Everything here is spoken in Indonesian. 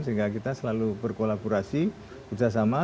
sehingga kita selalu berkolaborasi kerjasama